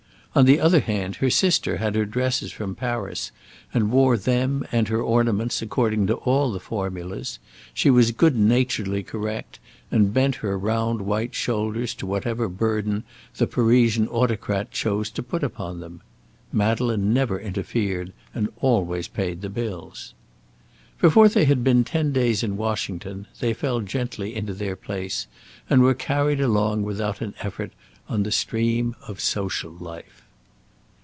On the other hand, her sister had her dresses from Paris, and wore them and her ornaments according to all the formulas; she was good naturedly correct, and bent her round white shoulders to whatever burden the Parisian autocrat chose to put upon them. Madeleine never interfered, and always paid the bills. Before they had been ten days in Washington, they fell gently into their place and were carried along without an effort on the stream of social life.